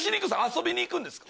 遊びに行くんですか？